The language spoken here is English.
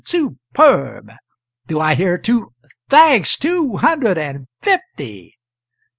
superb! Do I hear two h thanks! two hundred and fifty!